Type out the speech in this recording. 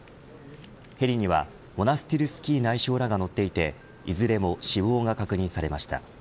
ヘリにはモナスティルスキー内相らが乗っていていずれも死亡が確認されました。